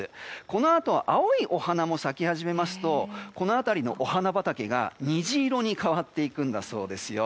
このあと、青いお花も咲き始めますとこの辺りのお花畑が虹色に代わっていくそうですよ。